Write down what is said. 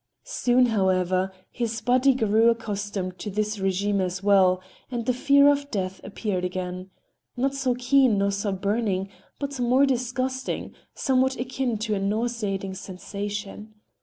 Soon, however, his body grew accustomed to this regime as well, and the fear of death appeared again—not so keen, nor so burning, but more disgusting, somewhat akin to a nauseating sensation.